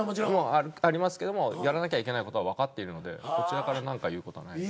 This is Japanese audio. ありますけどもやらなきゃいけない事はわかっているのでこちらから何か言う事はないです。